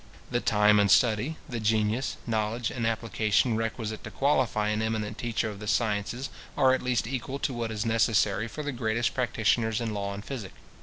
The time and study, the genius, knowledge, and application requisite to qualify an eminent teacher of the sciences, are at least equal to what is necessary for the greatest practitioners in law and physic.